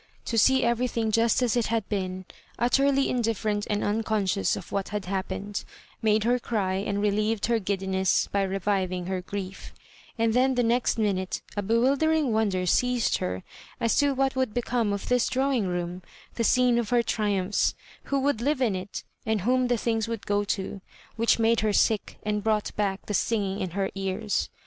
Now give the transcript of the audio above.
To see everything juSt as it had been, ut terly indifferent and unconsciousof what had bap^ pened, made her cry, and^reheved her giddiness by reviving her grief; and then the next minute a bewildering wonder seized her as to what would become of this drawing room, the scene of her tri umphs; who would live in it^ and whom the things would go to, which made her sick and brought back the suiging in her ears.